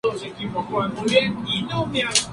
Lo sustituyó Juan Molinar Horcasitas.